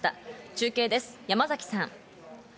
中継です、山崎さん。